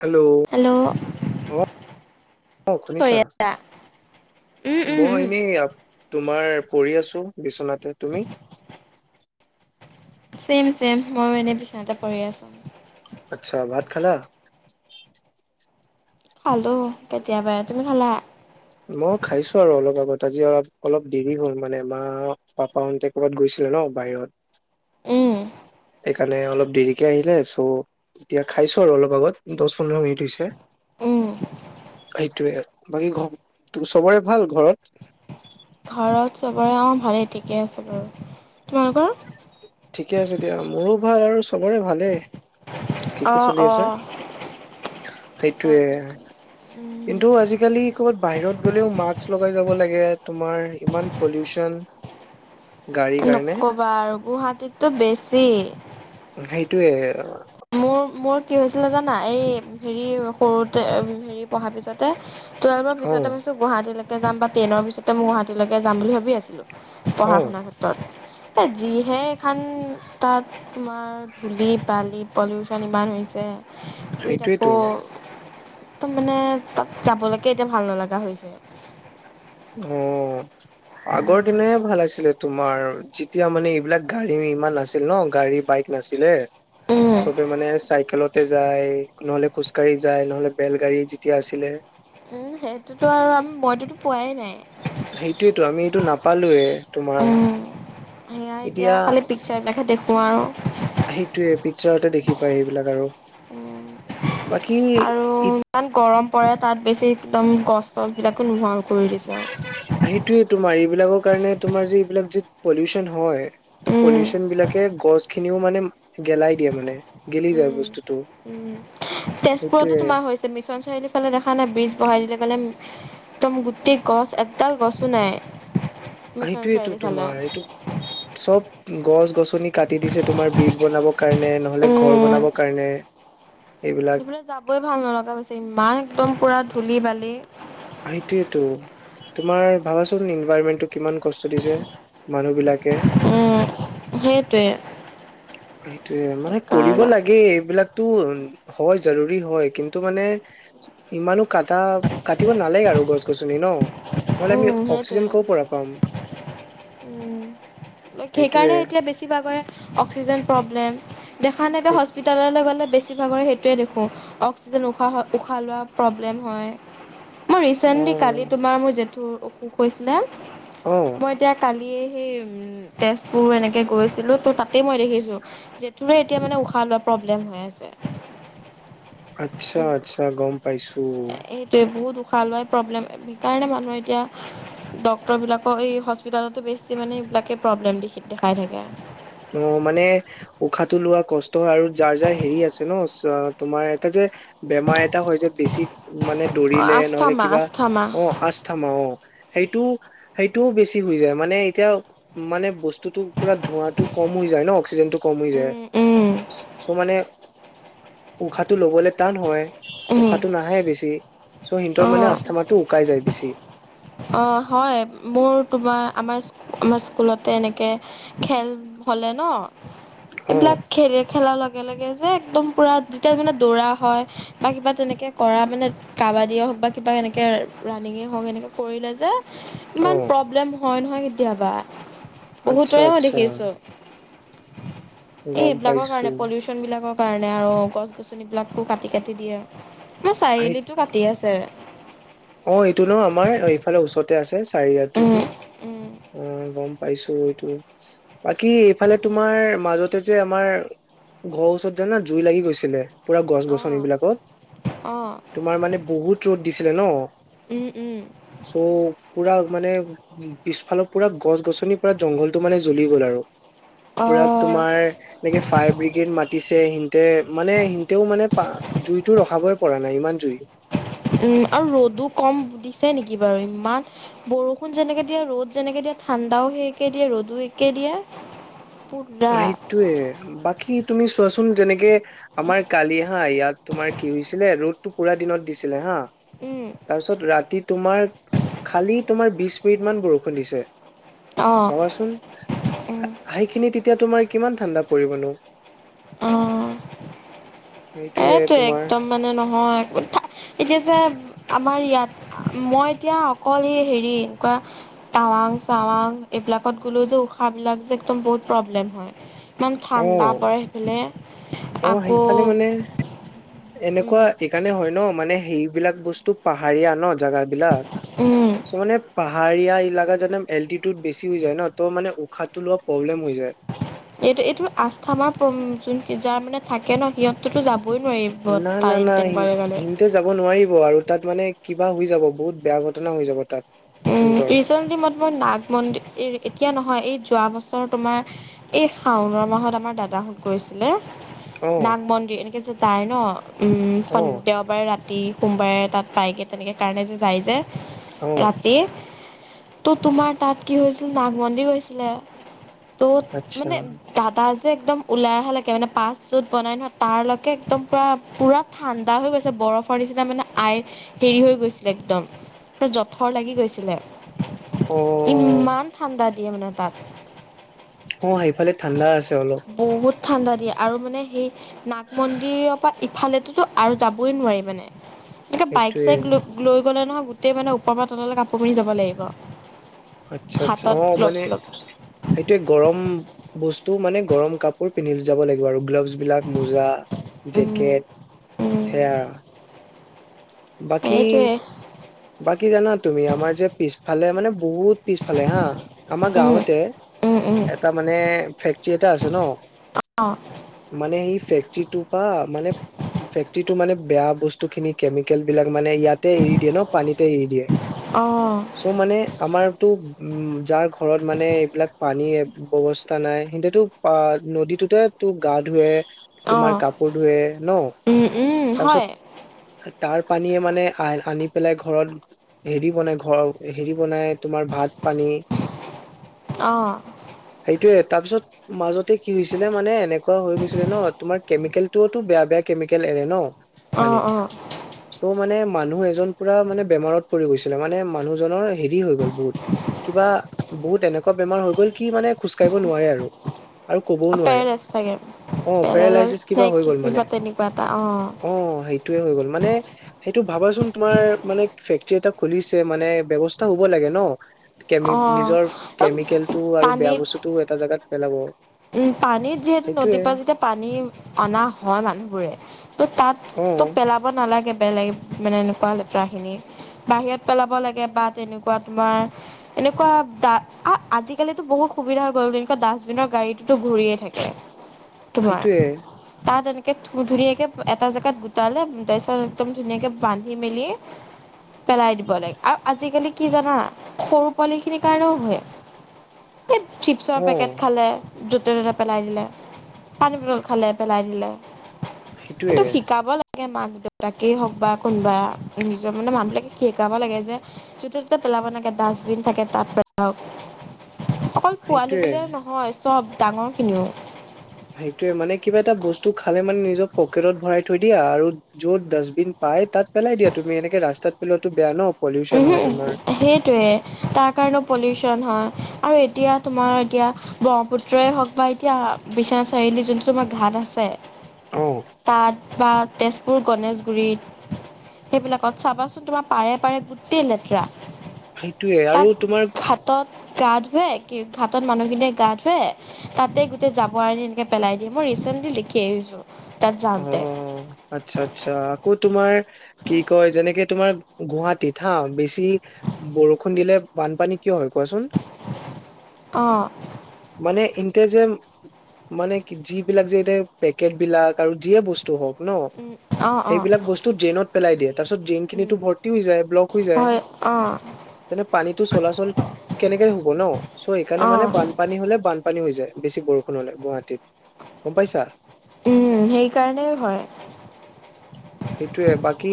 Hello hello অ অ কি কৰি শুনিছা আছা? উম, উম, মই উম, এনেই আ তুমি [unintelligible] তোমাৰ পৰি আছো বিচনাতে তুমি চেম চেম মইও এনেই বিছনাতে পৰি আছো আচ্ছা ভাত খালা খালো কেতিয়াবাই তুমি খালা মই খাইছো আৰু অলপ আগত আজি অলপ অলপ দেৰি হল মানে মা পাপা অতে ক'বাত গৈছিলে ন বাহিৰত উম, সেইকাৰণে অলপ দেৰিকে আহিলে চ ইতিয়া খাইছো আৰু অলপ আগত দহ পোন্ধৰ মিনিট হৈছে উম, সেইটয়ে বাকী ক চবৰে ভাল ঘৰত ঘৰত চবৰে অ ভালেই ঠিকে আছে বাৰু তোমালোকৰ? ঠিকে আছে দিয়া মোৰো ভাল আৰু চবৰে ভালেই ঠিকে অ', চলি আছে অ'। সেইটোৱে। তাৰপিছত উম, কিন্তু আজিকালি ক'বাত বাহিৰত গ'লেও মাস্ক লগাই যাব লাগে তোমাৰ ইমান পলিউচন গাড়ীৰ কাৰণে নকবা আৰু গুৱাহাটীতো বেছ কি সেইটোয়ে মোৰ কি হৈছিলে জানা এই হেৰি সৰুতে হেৰি পঢ়াৰ পিছত টোৱেলভৰ অ পিছতে পাইছো গুৱাহাটীলৈ যাম বা ট্ৰেইনৰ পিছতে মইগুৱাহাটীলৈে যাম বুলি ভাবি আছিলো অ পঢ়া শুনাৰ ক্ষেত্ৰত এ যিহে এখন তাত তোমাৰ ধূলি বালি পলিউঢন ইমান হৈছে শুই থাক অ সেইটোয়েতো একদম মানে তাত যাবলৈকে এতিয়া ভাল নলগা হৈছে। উম আগৰ দিনহে ভাল আছিলে তোমাৰ এতিয়া মানে এইবিলাক গাড়ী ইমান নছিল ন গাড়ী বাইক নাছিলে। উম চবে মানে চাইকেলত তে যায় নহলে খোজ ককাঢ়ি যায় নহলে বেলগাড়ী যেতিয়া আছিলে সেইটো পোৱাই নাই সেইটোয়েতো আমি এইটো নাপালোয়ে তোমাৰ উম এতিয়া কোৱা। ওচৰতে দেখি পায় সেইবিলাক আৰু উ আৰু বাকী ইমান গৰম পৰে তাত বেছি একদম কষ্টবিলাকো নোহোৱা কৰি দিছে। সেইটোয়েই তোমাৰ এইবিলাকক কাৰণে তোমাৰ য এইবিলাক যি পলউচন হয় ত উম, পলিউচন বিলাকে গছ খিনিও মানে গেলাই দিয়ে মানে গেলি যায় উম। বস্তুটো উম, তেজপুৰতো সেইটোয়ে তোমাৰ হৈছে মিছন চাৰিআলি ফালে দেখা নাই ব্ৰিজ বঢ়াই দিলে কালি একদম গোটেই গছ এডাল গছো নাই মিছন সেইটোয়েটো চাৰিআলি ফালে। তোমাৰ এইটো চব গছ গছ গছ গছনি কাটি দিছে তোমাৰ বীজ বনাব কাৰণে নহলে ঘৰ বনাবৰ কাৰণে এইবিলাক ইফালে যাবই ভাল নলগা হৈছে ইমান একম পোৰা ধূলি বালি সেইটোয়েতো তোমাৰ ভাবাচোন ইনভাইৰমেন্টটো কিমান কষ্ট দিছে মানুহ বিলাক উম। সেইটোৱে সেইটোৱে মানে কৰিব সেইকাৰণে লাগে এইবিলাক টো হয় জৰুৰী হয় কিন্তু মানে ইমানো কটা কাটিব নালাগে আৰু গছ গছনি ন নহ'লে আমি উম অক্সিজেন সেইটোৱে ক'ৰ পৰা পাম উম সেইটোয়ে সেইকাৰণে এতিয়া বেছি ভাগৰে অক্সিজন প্ৰব্লেম দেখা নাই সেই হস্পিতললৈ গ'লে বেছিভাগৰে সেইটোৱে দেখোঁ অক্সিজেন উশাহ উশাহ লোৱা প্ৰব্লেম হয় মই অ ৰিচেণ্টলি কালি তোমাৰ মোৰ। তোৰ অসুখ হৈছিলে অ মই এতিয়া কালি সেই তেজপুৰ এনেকে গৈছিলো ত' তাত তাতে মই দেখিছো যিতো এতিয়া মানে উশাহ ভাল প্ৰব্লেম হৈ আছে আচ্ছা আচ্ছা গম পাইছো খোৱা লোৱাই প্ৰব্লেম সেইকাৰণে মানুহে এতিয়া ডক্তৰবিলাকৰ এই হস্পি হস্পিটেলত বেছি মান এইবিলাক প্ৰব্লেম দেখি দেখাই থাকে অ মানে উশাহটো লোৱা কষ্ট হয় আৰু যাৰ যাৰ হেৰি আছে ন চৌ তোমাৰ এটা যে বেমাৰ এটা হয় যে বেছি মানে দৌৰিলে নহলে আস্থামা কিবা আস্থামা অ আস্থাম অ সেইটোও সেইটোও বেছি হৈ যায় মানে এতিয়া মানে বস্তুটো পোৰা ধোঁৱাতটো কম হৈ যায় ন অক্সিজেনতো কমি যায় উম উম চৌ' মানে উশাহটো ল'বলৈ টান হয় উম উশাহটো নাহে বেছি চৌ' সিহঁতৰ মানে আস্থামাৰটো উকাই যায় বেছি অঁ হয় মোৰ তোমাৰ আমাৰ আমাৰ স্কুলতে এনেকে খেল হ'লে ন অ এইবিলাক খেলে খেলাৰ লগে লগে যে একদম পোৰা যেতিয়া মানে দৌৰা হয় বা কিবা তেনেকৈ কৰা মানে কাবাডিয়েই হওঁক বা কিবা এনেকৈ ৰানিঙেই হওঁক এনেকৈ কৰিলে যে অ ইমান প্ৰব্লেম হয় নহয় কেতিয়াবা। আচ্ছা বহুতৰে মই আচ্ছা দেখিছোঁ। এই গম এইবিলাকৰ পাইছো কাৰণে পলিউচন বিলাকৰ। কাৰণে আৰু গছ গছনিবিলাকো কাটি কাটি দিয়ে। হে চাৰিআলিতটো কাটি আছে। অ এইটো ন আমাৰ এইফালে ওচৰতে আছে। চাৰিআতটোতো উম উম অ গম। পাইছো এইটো বাকী এইফালে তোমাৰ মাজতে যে আমাৰ ঘৰৰ ওচৰত জানা জুই লাগি গৈছিলে। পুৰা গছ অ', গছনিবিলাকত উম, তোমাৰ মানে বহুত ৰ'দ দিছিলে ন। উম, উম। চ' পুৰা মানে উ পিছফালৰ পুৰা গছ গছনিৰ পৰা জংঘলটো মানে জ্বলি গ'ল আৰু। পুৰা অ', তোমাৰ এনেকে ফায়াৰ ব্ৰিগেড মাতিছে সিহতে মানে সিহতেও মানে প জুইতটো ৰখাবই পৰা নাই ইমান জুই। উম আৰু ৰ'দো কম দিছে নেকি বাৰু ইমান বৰষুণ যেনেকে দিয়া ৰ'দ যেনেকে দিয়া ঠাণ্ডাও সেই একে দিয়ে ৰ'দো একে দিয়ে। পুৰা সেইটোৱে বাকী। তুমি চোৱাচোন যেনেকে আমাৰ কালি হা ইয়াত তোমাৰ কি হৈছিলে ৰ'দতটো পুৰা দিনত দিছিলে হা। উম, তাৰপিছত ৰাতি তোমাৰ খালি তোমাৰ বিছ। কেইদিমান বৰষুণ দিছে। অ', ভাবাচোন উম, আহেইখিনি। মাই কিমান ঠাণ্ডা পৰিবনো। অ সেইটোয়ে এইটো তোমাৰ একদম মানে নহয়। এতিয়া যে আমাৰ ইয়াত মই এতিয়া অকল এই হেৰি এনেকুৱা টাৱাং চাৱাং এইবিলাকত গ'লো যে উশাবিলাক যে একদম বহুত প্ৰব্লেম হয়। ইমান অ ঠাণ্ডা পৰে। অ আকৌ সেইফালে মানে। এনেকুৱা উম, এইকাৰণে হয়। হয় ন মানে সেইবিলাক বস্তু পাহাৰীয়া ন জোগা। বিলাক উম চ মানে পাহাৰীয়া। এই য়া এলাকাত যামন এল্টীটিউড বেছি হৈ যায় ন তৌমানে উষাতো লোৱা প্ৰব্লেম। হৈ যায়। এইটো এইটো আস্থা মাৰ। ম যোন যাৰ মানে থাকে ন সিহঁততো যাব। নাই না নাই সিহতে যাব নোৱাৰিব আৰু তাত মানে। কিবা হৈ যাব বহুত বেয়া ঘটনা হৈ যাব তাত। উম সিহতৰ ৰিচেন্টলি ম মোৰ নাগ মন্দিৰ এতিয়া নহয় এই যোৱা বছৰ তোমাৰ এই শাওণৰ মাহত আমাৰ দাদাহঁত গৈছিলে অ নান মনি এনেকে চ তাই ন অ উম দেওবাৰে ৰা ৰাতি সোমবাৰে তাত পায়গৈ তেনেকৈ কাৰণে যে যায় যে অ ৰাতি ত' তোমাৰ তাত কি হৈছিল নাগমন্দিৰ গৈছিলে ত' আচ্ছা মানে দাদা একদম ওলাই অহা লৈকে মানে পাছ যত বনাই নহয় তাৰ লৈকে একদম পুৰা পুৰা ঠাণ্ডা হৈ গৈছে বৰফৰ নিচিনা মানে আই হেৰি হৈ গৈছিলে একদম থৰ লাগি গৈছিলে অ ইমান ঠাণ্ডা ইয়মন তাত অ সেইফালে ঠাণ্ডা আছে অলপ বহুত ঠাণ্ডা দিয়ে আৰু মানে সেই নাগ মন্দিৰৰ পৰা ইফালে ততো আৰু যাবই নোৱাৰি মানে এনে বাইক সেইটোয়ে চাইক লৈ লৈ গ'লে নহয় উতে মানে ক পৰা তলৈ কাপোৰ পানি যাব লাগিব আচ্ছা-আচ্ছা হাতত অ' গ্ল'ভছ মানে, চলভছ সেইটো গৰম বস্তু মানে। গৰম কাপোৰ পিন্ধি যাব লাগিব আৰু গ্লভ যুজবলাক মোজা, উম জেকেট উম সেয়া। বাকী। সেইটোৱে বাকী জানা তুমি, আমাৰ যে পিছফালে মানে বহুত পিছফালে হা। আমাৰ উম গাঁৱতে, উম উম এটা মানে। ফেক্টৰী এটা আছে ন। অ মান স ফেক ফেক্টটো প মানে ফেক্ট টো মানে বেয়া বস্তু খিনি কেমিকেল বিলাক মানে ইয়াতে এৰি দিয়ে ন। পানীতে এৰি দিয়ে। অ', চ' মানে আমাৰ। তো যাৰ ঘৰত মানে এইবিলাক পানী ব্যৱস্থা নাই সিন্ততো প নদীটোতে তো গা ধুৱে। তোমাৰ অ', কাপোৰ ধোৱে ন উম, উম, তাৰপিছত। হয়, তাৰ পানীয়ে মানে আ আনি। পেলাই ঘৰত হেৰি বনাই, ঘৰৰ হেৰি বনাই। তোমাৰ ভাত, পানী অ', সেইটোয়ে। তাৰপিছত মাজতে কি হৈছিলে মানে, এনেকুৱা হৈ গৈছিলে ন তোমাৰ কেমিকেলটো বেয়া-বেয়া কেমিকেল এৰে ন। পানী অ', অ', চ' মানে- মানুহ এজন- পুৰা মানে বেমাৰত পৰি গৈছিলে, মানে মানুহজনৰ- হেৰি হৈ গ'ল, বহুত কিবা বহুত এনেকুৱা- বেমাৰ হৈ গ'ল কি মানে খোজকাঢ়িব নোৱাৰে আৰু। আৰু কবও নোৱাৰে। পেৰেলাইছ চাগে। অ' পেৰেলাইছ পেৰালাইচিচ নে কিবা হৈ কি গ'ল মানে। কিবা তেনেকুৱা এটা অ' সেইটোৱে হৈ গ'ল মানে- সেইটো ভাবাচোন- তোমাৰ মানে ফেক্টৰী এটা খুলিছে মানে ব্যৱস্থা হ'ব লাগে ন। কেমি অ', নিজৰ কেমিকেলটো আৰু বেয়া পানীত বস্তুতটো এটা জাগাত পেলাব। উম পানীত যিহেতু নদী সেইটোয়ে পা যেতিয়া পানী অনা হয় মানে- বোৰে। ত' তাত অ তো পেলাব নালাগে। বেলেগ মানে এনেকুৱা লেতেৰা খিনি বাহিৰত পেলাব লাগে বা তেনেকুৱা তোমাৰ এনেকুৱা আজিকালিতো বহুত সুবিধা হৈ গ'ল, তেনেকুৱা ডাষ্টবিনৰ গাড়ী তোৰ ঘূৰিয়ে থাকে। তোমাৰ সেইটোয়ে তাত এনে কে ধুনীয়াকে এটা জেগাত গোটালে তাৰ পিছত একদম ধুনীয়াকে বান্ধি মেলি পেলাই দিব লাগে আৰু আজিকালি কি জানা সৰু পোৱালি খিনিৰ কাৰণেও হয়। এই চিপছৰ অ পেকেট খালে, য'তে ত'তে পেলাই দিলে। পানী পটল খালে পেলাই দিলে। সেইটোৱে। এইটো শিকাব মাক দেউতাকেই হওক বা কোনোবা নিজৰ মানে মানুবিলাকে শিকাব লাগে যে যতে ত'তে পেলাব নালাগে ডাষ্টবিন থাকে তাত পেলাওক। অকল পোৱালি সেইটোয়ে বুলিয়ে নহয়। চব ডাঙৰখিনিও। সেইটোয়ে মানে কিবা এটা বস্তু খালে মানে নিজৰ পকেটত ভৰাই থৈ দিয়া আৰু যত ডাষ্টবিন পাই তাত পেলাই দিয়া তুমি এনেকে ৰাস্তাত পেলোৱাতটো বেয়া ন। পলিউচন উমহো হয় তোমাৰ সেইটোয়ে তাৰ কাৰণে পলিচন হয় আৰু এতিয়া তোমাৰ এতিয়া ব্ৰহ্মপুত্ৰই হওক বা এতিয়া বিশ্বনাথ চাৰিআলি যোনটো তোমাৰ ঘাট আছে অ'। তাত বা তেজপুৰ, গণেশগুৰিত সেইবিলাকত চাবাচোন তোমাৰ পাৰে পাৰে গোট- তেই লেতেৰা। সেইটোৱে তাত আৰু তোমাৰ ঘাটত গা ধুৱে একেই ঘাটত মানুহখিনিয়ে গা ধুৱে তাতে গোটেই জাবৰ আনি এনেকে পেলাই দিয়ে মই ৰিচেণ্টলি দেখি আহিছো। অ আচ্ছা আচ্ছা কত তোমাৰ কি কয় যেনেকে- তোমাৰ গুৱাহাটীত হা বেছি বৰষুণ দিলে বানপানী কিয় হয় কোৱাচোন? অ' মানে এনতে যে মানে কি যিবিলাক যে এতাই পেকেট বিলাক আৰু যিয়ে বস্তু হওক ন উম অঁ অঁ সেইবিলাক বস্তু ড্ৰেইনত পেলাই দিয়ে তাৰপিছত ড্ৰেইন উম খিনিতো ভৰ্তি হৈ যায় ব্লক হৈ যায়। হয় অঁ তেনে পানীটো চলাচল কেনেকে হ'ব ন চ' সেইকাৰণে মানে অঁ বানপানী হলে বানপানী হৈ যায়। বেছি বৰষুণ হলে গুৱাহাটীত গম পাইছা সেইকাৰণে হয় সেইটোয়ে বাকী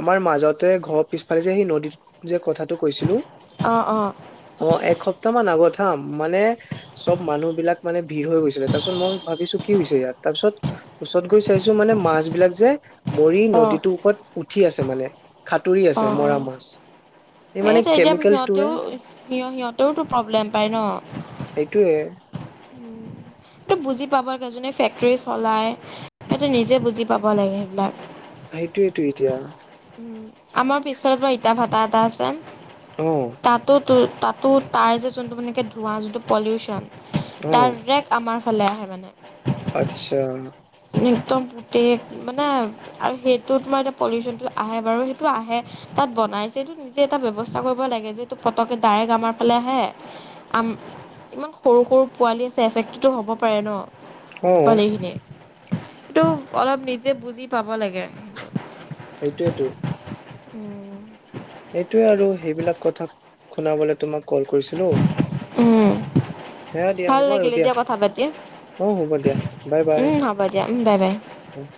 আমাৰ মাজতে ঘৰৰ পিছফালে যে সেই নদীত যে কথাত- তো কৈছিলো অ', অ', অ এক সপ্তাহ মান আগত খাম মানে চব মানুহ বিলাক মানে ভিৰ হৈ গৈছিলে তাৰপিছত মই ভাবিছো কি হৈছে ইয়াত তাৰ পিছত ওচৰত গৈ চাইছো মানে মাছ বিলাক যে মৰি অ', নদীটোৰ ওপৰত উঠি টি আছে মানে সাঁতুৰি অ আছে মৰা মাছ এই মানে সেইটো এতিয়া কেমিকেলটোৱে সিহঁতেও সিহ সিহঁতেওতো প্ৰব্লেম পাই ন সেইটোৱে উমম সেইটো বুজি পাব লাগে যোনে ফেক্টৰী চলাই সেইটো নিজে বুজি পাব লাগে সেইবিলাক সেইটোৱেইটো এতিয়া উ আমাৰ পিছফালৰ পৰা ইতা ভাটা এটা আছে অ তাতো তো তাতো তাৰ যে যোনটো মানকে ধোঁৱা যোনটো পলিউশ্যন অ ডাৰৰেক আমাৰ ফালে আহে মানে? আচ্ছা একদম বুটেত মানে আৰু সেইটো তোমাৰ এতিয়া পলিউশ্যনটো আহে বাৰু সেইটো আহে তাত বনাইছে এইটো নিজে এটা ব্যৱস্থা কৰিব লাগে যে এইটো পতকৈ ডাইৰেক্ট আমাৰ ফালে আহে আম ইমান সৰু সৰু পোৱালি আছে এফেক্টতো হ'ব পাৰে ন! অ পোৱালি খিনি? এইটো অলপ নিজে বুজি পাব লাগে। সেইটো সেইটোৱেইতো। উম। এইটোৱে আৰু সেইবিলাক কথা শুনাবলৈ তোমাক কল কৰিছিলো উম। হে দিয়া ভাল হ'ব আৰু লাগিলে দিয়া কথা পাতি অ হ'ব দিয়া বাই উম হ'ব দিয়া উম বাই অ।